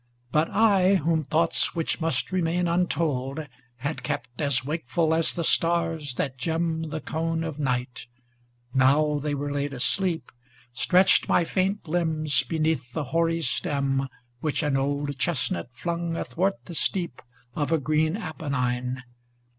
20 But I, whom thoughts which must remain untold Had kept as wakeful as the stars that gem The cone of night, now they were laid asleep Stretched my faint limbs beneath the hoary stem Which an old chestnut flung athwart the steep Of a green Apennine.